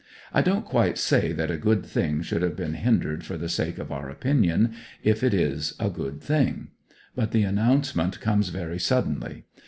I don't quite say that a good thing should have been hindered for the sake of our opinion, if it is a good thing; but the announcement comes very suddenly.